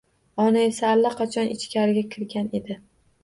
Ona esa allaqachon ichkariga kirgan edi